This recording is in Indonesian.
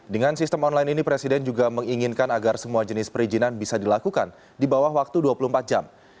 dengan sistem online ini presiden juga menginginkan agar semua jenis perizinan bisa dilakukan di bawah waktu dua puluh empat jam